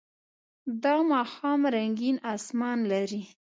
دا ماښام رنګین آسمان لري.